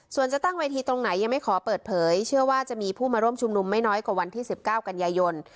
ส่วนจะตั้งเวทีตรงไหนยังไม่ขอเปิดเผยเชื่อว่าจะมีผู้มาร่วมชุมนุมไม่น้อยกว่าวันที่๑๙กันยายน